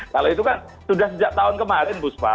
kalau itu kan sudah sejak tahun kemarin bu spa